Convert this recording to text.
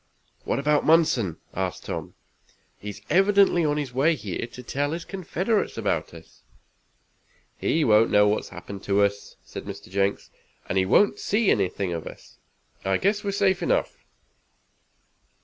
"What about Munson?" asked Tom. "He is evidently on his way here to tell his confederates about us." "He won't know what has happened to us," said Mr. Jenks, "and he won't see anything of us. I guess we're safe enough."